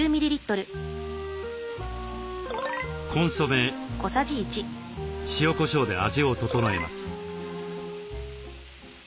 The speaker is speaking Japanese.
コンソメ塩こしょうで味を調えます。